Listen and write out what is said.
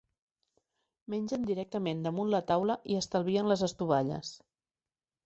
Mengen directament damunt la taula i estalvien les estovalles.